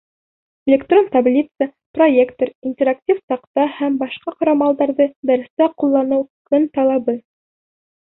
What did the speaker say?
Электрон таблица, проектор, интерактив таҡта һәм башҡа ҡорамалдарҙы дәрестә ҡулланыу — көн талабы.